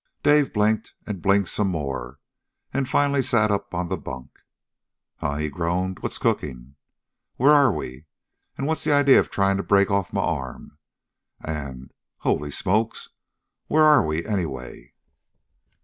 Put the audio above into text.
Dave blinked and blinked some more, and finally sat up on the bunk. "Huh?" he groaned. "What's cooking? Where are we, and what's the idea of trying to break off my arm? And Holy smokes! Where are we, anyway?"